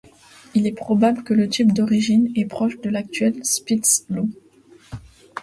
Il est probable que le type d'origine est proche de l'actuel spitz loup.